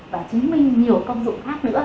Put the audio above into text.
và chứng minh nhiều công dụng khác nữa